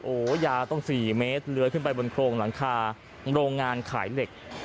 โอ้ย่าต้องสี่เมตรเผยขึ้นไปบนโครงหลังคาโรงงานขายเหล็ก